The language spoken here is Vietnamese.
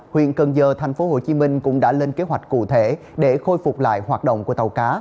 huyện cần giờ tp hcm cũng đã lên kế hoạch cụ thể để khôi phục lại hoạt động của tàu cá